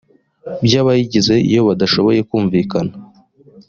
by abayigize iyo badashoboye kumvikana